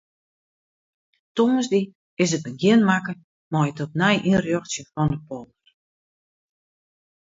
Tongersdei is in begjin makke mei it opnij ynrjochtsjen fan de polder.